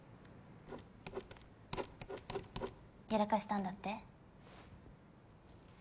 やらかしたんだって？